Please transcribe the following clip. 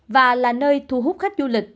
và là nơi thu hút khách du lịch